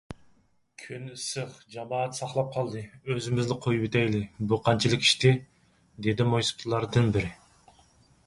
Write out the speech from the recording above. كۈن ئىسسىق، جامائەت ساقلاپ قالدى، ئۆزىمىزلا قويۇۋېتەيلى، بۇ قانچىلىك ئىشتى؟ _ دېدى مويسىپىتلاردىن بىرى.